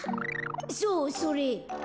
そうそれ。